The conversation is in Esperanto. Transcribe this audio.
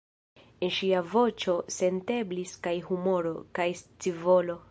En ŝia voĉo senteblis kaj humuro, kaj scivolo.